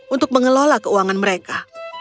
untuk mengelola keuangan mereka